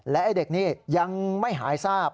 และไอ้เด็กนี้ยังไม่หายทราบ